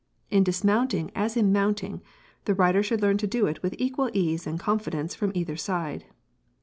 In dismounting as in mounting, the rider should learn to do it with equal ease and confidence from either side.